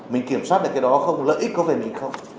mình kiểm soát được cái đó không lợi ích có về mình không